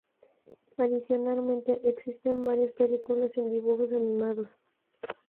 Adicionalmente existen varias películas en dibujos animados.